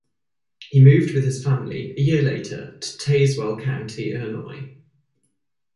He moved with his family a year later to Tazewell County, Illinois.